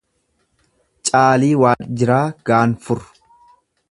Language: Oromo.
Caalii Waaqjiraa Gaanfur